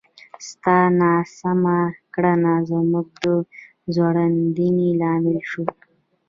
ستا ناسمه کړنه زموږ د ځورېدنې لامل شوه!